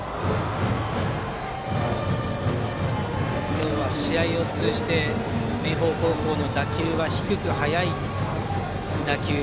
今日は試合を通じて明豊高校の打球は低く速い打球。